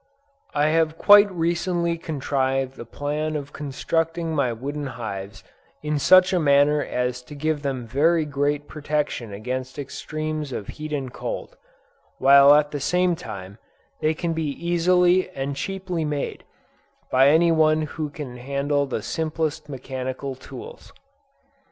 I have quite recently contrived a plan of constructing my wooden hives in such a manner as to give them very great protection against extremes of heat and cold, while at the same time they can be easily and cheaply made, by any one who can handle the simplest mechanical tools.